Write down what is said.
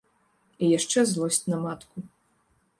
І яшчэ злосць на матку.